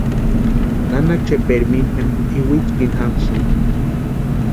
Nana Chepaeri mimi jempa iwitsïpini jamasïnti.